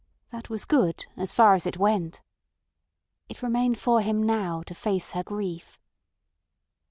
That was good as far as it went. It remained for him now to face her grief.